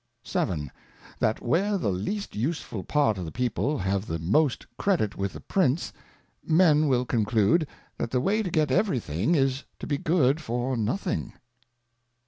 7. That where the least useful part of the People have the most 3Iaocims of State. i8i most Credit with the Prince, Men will conclude, That the way to get every thing, is to be good for nothing.